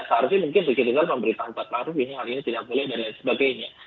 seharusnya mungkin ricky rizal memberitahu fuad ma'ru ini hal ini tidak boleh dan sebagainya